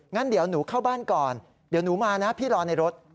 งั้นเดี๋ยวหนูเข้าบ้านก่อนเดี๋ยวหนูมานะพี่รอในรถ